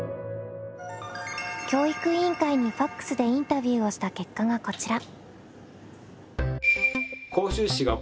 教育委員会にＦＡＸでインタビューをした結果がこちら。